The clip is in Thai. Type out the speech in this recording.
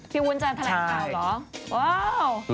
วุ้นจะแถลงข่าวเหรอ